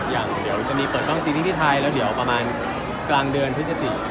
เดี๋ยวจะมีเปิดกล้องซีรีส์ที่ไทยแล้วเดี๋ยวประมาณกลางเดือนพฤศจิ